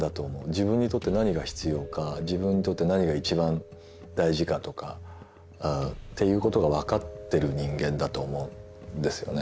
自分にとって何が必要か自分にとって何が一番大事かとかっていうことが分かってる人間だと思うんですよね。